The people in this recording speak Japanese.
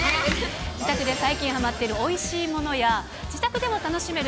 自宅で最近はまっているおいしいものや、自宅でも楽しめる